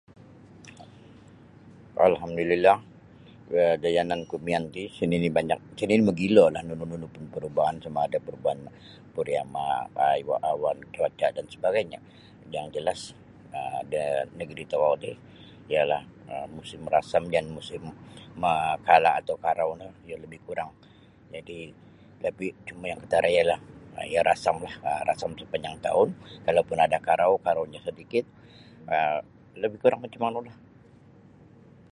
Alhamdulillah da yananku miyan ti isa' nini' banyak isa' nini' mogilolah nunu-nunu pun parubahan sama ada' parubahan pariama'kah awankah cuaca' dan sebagainyo yang jelas um da negri tokou ti ialah musim rasam jaan musim maakala' atau karau no iyo lebih kurang jadi' tapi' cuma' yang katara' ialah iyo rasamlah rasam sapanjang taun kalau pun ada karau karau no sedikit labih kurang macam manulah.